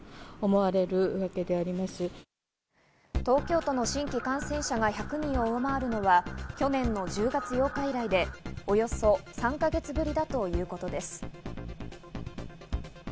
東京都の新規感染者が１００人を上回るのは去年の１０月８日以来で、およそ３か月ぶりだということです。